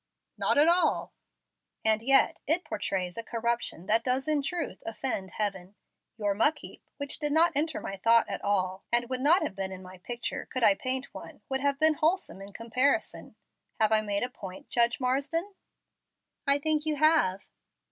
"Not at all." "And yet it portrays a corruption that does in truth 'offend heaven.' Your muck heap, which did not enter my thought at all, and would not have been in my picture, could I paint one, would have been wholesome in comparison. Have I made a point, Judge Marsden?" "I think you have."